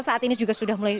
saat ini juga sudah mulai